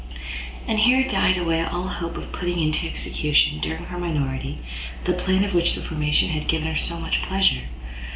And here died away all hope of putting into execution, during her minority, the plan of which the formation had given her so much pleasure.